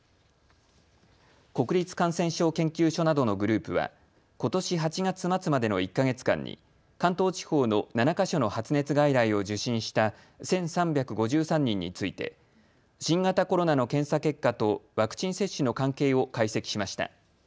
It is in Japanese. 国立感染症研究所などのグループはことし８月末までの１か月間に関東地方の７か所の発熱外来を受診した１３５３人について新型コロナの検査結果とワクチン接種の関係を解析しました。